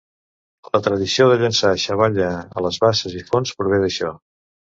La tradició de llançar xavalla a basses i fonts prové d'això.